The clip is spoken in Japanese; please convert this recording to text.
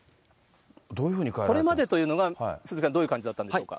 これまでというのが、鈴木さん、どういう感じだったんでしょうか。